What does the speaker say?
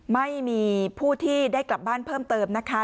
ไม่มีผู้ที่ได้กลับบ้านเพิ่มเติมนะคะ